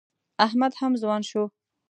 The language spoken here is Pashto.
احمد هم ځوان شو.